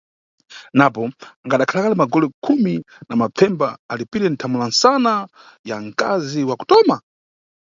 Napo, akhadakhala kale magole khumi na mapfemba alipire nthamula msana ya mkazi wa kutoma?